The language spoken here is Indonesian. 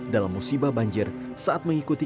dalam musibah banjir saat mengikuti